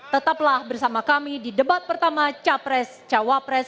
tetaplah bersama kami di debat pertama capres cawapres dua ribu sembilan belas